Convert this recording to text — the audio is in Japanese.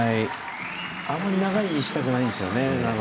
あまり長居したくないですよね。